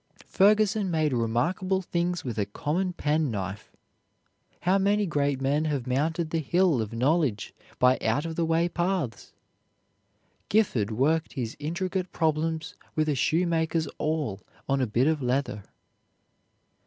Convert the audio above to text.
Ferguson made remarkable things with a common penknife. How many great men have mounted the hill of knowledge by out of the way paths! Gifford worked his intricate problems with a shoemaker's awl on a bit of leather.